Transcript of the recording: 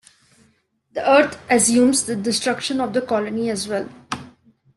The Earth assumes the destruction of the colony as well.